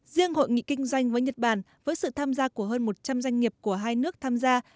riêng hội nghị kinh doanh với nhật bản với sự tham gia của hơn một trăm linh doanh nghiệp của hai nước tham gia